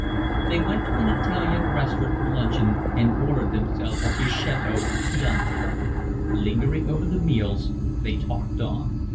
They went to an Italian restaurant for luncheon and ordered themselves a fiaschetto of Chianti. Lingering over the meal they talked on.